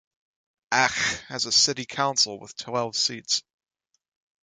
Aach has a city council with twelve seats.